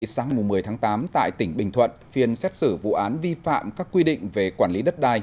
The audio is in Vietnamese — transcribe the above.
sáng một mươi tháng tám tại tỉnh bình thuận phiên xét xử vụ án vi phạm các quy định về quản lý đất đai